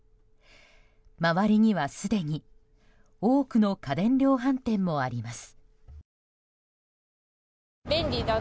周りにはすでに多くの家電量販店もあります。